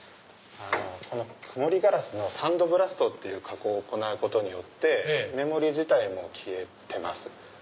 曇りガラスのサンドブラストっていう加工を行うことによって目盛り自体消えてます。